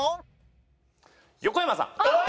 横山さん。